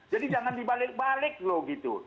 jadi jangan dibalik balik loh gitu